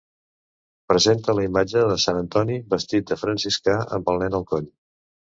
Presenta la imatge de Sant Antoni vestit de franciscà amb el Nen a coll.